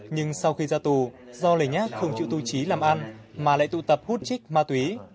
nhưng sau khi ra tù do lời nhác không chịu tu trí làm ăn mà lại tụ tập hút trích ma túy